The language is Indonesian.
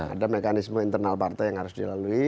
ada mekanisme internal partai yang harus dilalui